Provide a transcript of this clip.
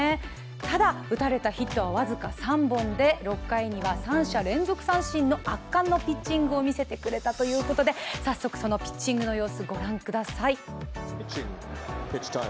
ただ、打たれたヒットは僅か３本で、６回には３者連続三振の圧巻のピッチングを見せてくれたということで早速そのピッチングの様子ご覧ください。